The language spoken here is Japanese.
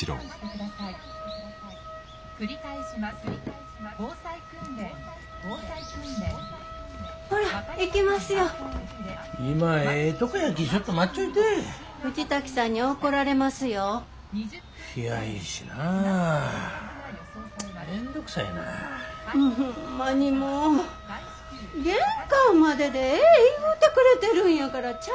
玄関まででええ言うてくれてるんやからちゃんとしてください。